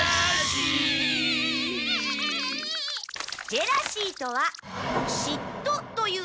「ジェラシー」とは「嫉妬」という意味です。